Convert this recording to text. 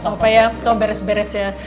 gak apa apa ya kamu beres beres ya